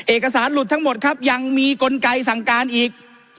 เอกสารหลุดทั้งหมดครับยังมีกลไกสั่งการอีก